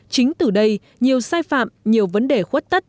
chính từ đây nhiều sai phạm nhiều vấn đề khuất tất